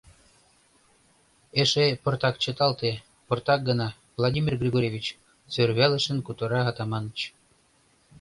Эше пыртак чыталте, пыртак гына, Владимир Григорьевич! — сӧрвалышын кутыра Атаманыч.